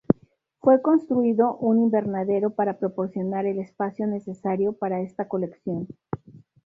Fue construido un invernadero, para proporcionar el espacio necesario para esta colección.